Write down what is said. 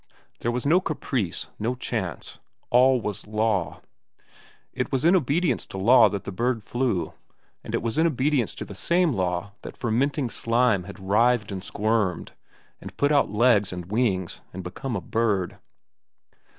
There was no caprice, no chance. All was law. It was in obedience to law that the bird flew, and it was in obedience to the same law that fermenting slime had writhed and squirmed and put out legs and wings and become a bird.